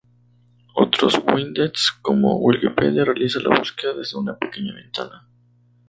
Otros widgets, como Wikipedia, realizan la búsqueda desde una pequeña ventana.